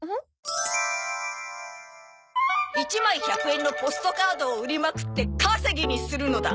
１枚１００円のポストカードを売りまくって稼ぎにするのだ！